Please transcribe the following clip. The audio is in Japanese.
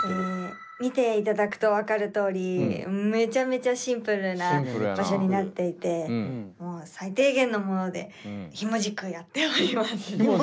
見ていただくと分かるとおりめちゃめちゃシンプルな場所になっていて最低限のものでひもじくやっております。